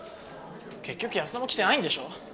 結局安田も来てないんでしょう？